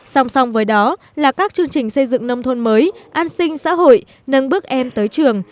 song song với đó là các chương trình xây dựng nông thôn mới an sinh xã hội nâng bước em tới trường